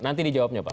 nanti dijawabnya pak